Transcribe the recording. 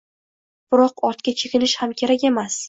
biroq ortga chekinish kerak emas.